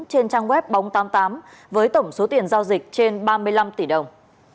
trên trang web bóng tám mươi tám với tổng số tiền giao dịch trên ba mươi năm tỷ đồng